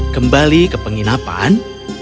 kembali ke penginapan